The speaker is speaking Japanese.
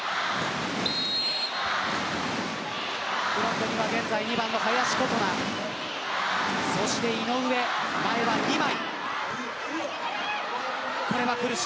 フロントには現在２番の林琴奈そして井上前は２枚。